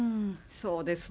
そうですね。